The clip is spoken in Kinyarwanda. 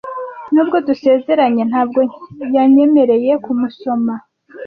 Nubwo dusezeranye, ntabwo yanyemereye kumusoma.